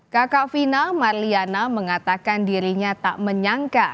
kakak vina marliana mengatakan dirinya tak menyangka